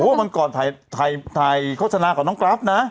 โฮมันก่อนถ่ายโฆษณากับน้องกรัฟนะ